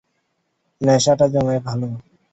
নেশাটা জমে ভালো।